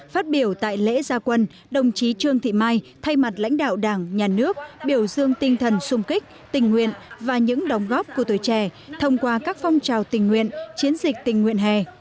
phát biểu tại lễ gia quân đồng chí trương thị mai thay mặt lãnh đạo đảng nhà nước biểu dương tinh thần sung kích tình nguyện và những đóng góp của tuổi trẻ thông qua các phong trào tình nguyện chiến dịch tình nguyện hè